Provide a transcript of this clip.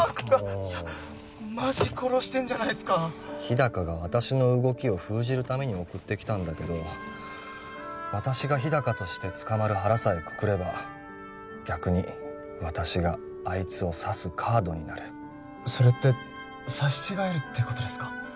もうマジ殺してんじゃないっすか日高が私の動きを封じるために送ってきたんだけど私が日高として捕まる腹さえくくれば逆に私があいつを刺すカードになるそれって刺し違えるってことですか？